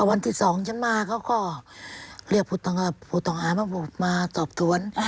วันที่๒ฉันมาก็เรียกผูตองพระอามาพุธมาสอบถ้วน